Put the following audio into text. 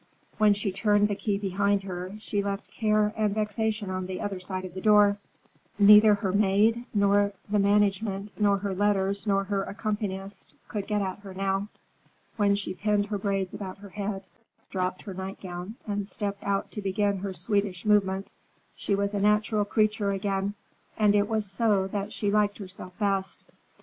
When she turned the key behind her, she left care and vexation on the other side of the door. Neither her maid nor the management nor her letters nor her accompanist could get at her now. When she pinned her braids about her head, dropped her nightgown and stepped out to begin her Swedish movements, she was a natural creature again, and it was so that she liked herself best.